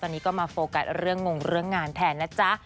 ตอนนี้ก็มาโฟกัสเรื่องงงเรื่องงานแทนนะจ๊ะ